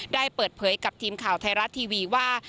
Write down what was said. ได้เปิดเผยกับทีมข่าวไทยรัฐทีวีว่า